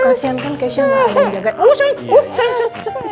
kasian kan kesya gak ada yang jaga